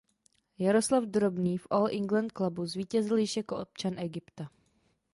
Jaroslav Drobný v All England Clubu zvítězil již jako občan Egypta.